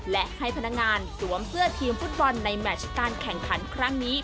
และให้พนักงานสวมเสื้อทีมฟุตบอลในแมชการแข่งขันครั้งนี้